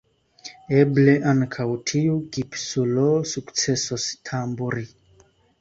Eble, ankaŭ tiu gipsulo sukcesos tamburi.